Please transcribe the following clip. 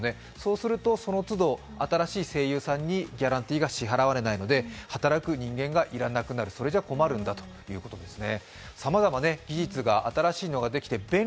そうするとそのつど新しい声優さんにギャランティーが支払われないので、働く人間が要らなくなる、それじゃ困るんだということですね。